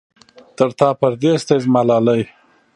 تر تا پردېس دی زما لالی.